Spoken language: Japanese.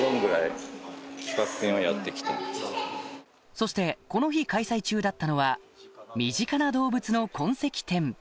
そしてこの日開催中だったのは「身近な動物の痕跡」展